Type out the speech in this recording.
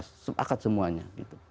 semua sepakat semuanya